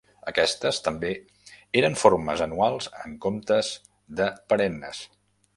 Aquestes també eren formes anuals en comptes de perennes.